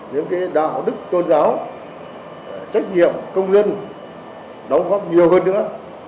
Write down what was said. những đạo đức tôn giáo trách nhiệm công dân đóng góp nhiều hơn nữa